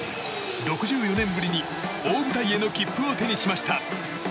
６４年ぶりに大舞台への切符を手にしました。